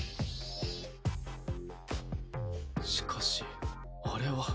しかしあれは。